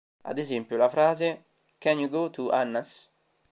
Ad esempio la frase "Can you go to Anna's?